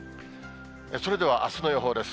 それではあすの予報です。